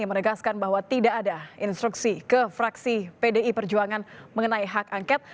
yang menegaskan bahwa tidak ada instruksi ke fraksi pdi perjuangan mengenai hak angket